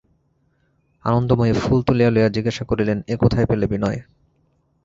আনন্দময়ী ফুল তুলিয়া লইয়া জিজ্ঞাসা করিলেন, এ কোথায় পেলে বিনয়?